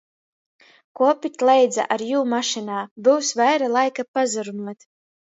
Kuopit leidza ar jū mašynā, byus vaira laika pasarunuot.